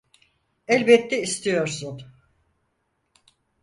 Elbette istiyorsun.